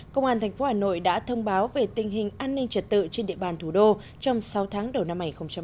công an tp hà nội đã thông báo về tình hình an ninh trật tự trên địa bàn thủ đô trong sáu tháng đầu năm hai nghìn hai mươi